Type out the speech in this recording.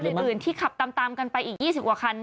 แล้วก็คันอื่นที่ขับตามกันไปอีก๒๐กว่าคัน